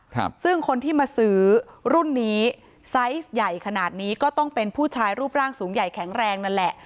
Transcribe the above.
ครับซึ่งคนที่มาซื้อรุ่นนี้ไซส์ใหญ่ขนาดนี้ก็ต้องเป็นผู้ชายรูปร่างสูงใหญ่แข็งแรงนั่นแหละ